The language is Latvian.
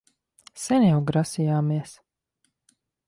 Sen jau grasījāmies...